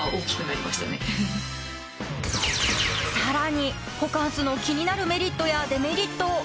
［さらにホカンスの気になるメリットやデメリット